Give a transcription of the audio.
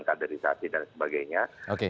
kaderisasi dan sebagainya oke